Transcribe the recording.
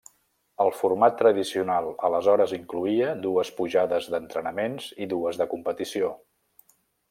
El format tradicional aleshores incloïa dues pujades d'entrenaments i dues de competició.